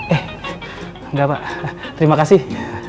eh enggak pak terima kasih